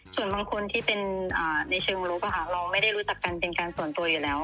ส่วนบางคนที่เป็นในเชิงลุกเราไม่ได้รู้จักกันเป็นการส่วนตัวอยู่แล้ว